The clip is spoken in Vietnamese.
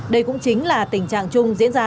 đây cũng chính là tình trạng chung diễn ra